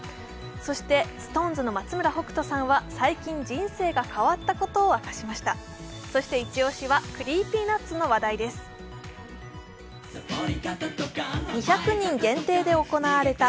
そして、ＳｉｘＴＯＮＥＳの松村北斗さんは最近、人生が変わったことを明かしました。